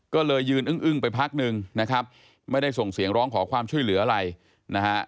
ก็เลยยืนอึ้งไปพักหนึ่งนะครับไม่ได้ส่งเสียงร้องขอความช่วยเหลืออะไรนะฮะ